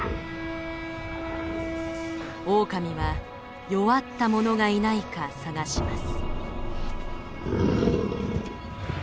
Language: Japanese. オオカミは弱ったものがいないか探します。